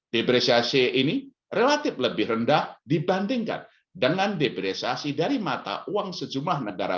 depresiasi ini relatif lebih rendah dibandingkan dengan depresiasi dari mata uang sejumlah negara